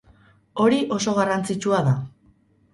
Hori oso garrantzitsua da.